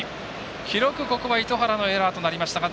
記録、ここは糸原のエラーとなりましたが